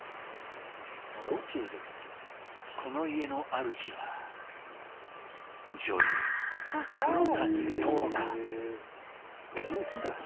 この家の主は女優・黒谷友香。